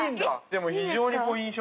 でも、非常に印象。